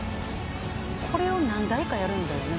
これを何台かやるんだよね？